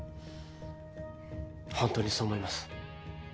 ほんとにそう思います。